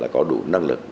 có đủ năng lực